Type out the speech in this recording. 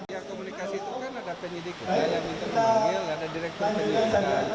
yang komunikasi itu kan ada penyidik kita yang minta pembunuh ada direktur penyidik kita